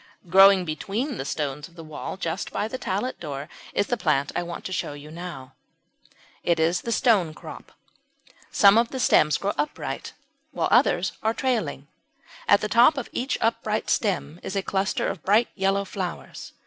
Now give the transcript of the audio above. Growing between the stones of the wall just by the tallet door is the plant I want to show you now. It is the Stonecrop. Some of the stems grow upright, while others are trailing. At the top of each upright stem is a cluster of bright yellow flowers.